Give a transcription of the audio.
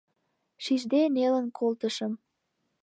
Шижде нелын колтышым.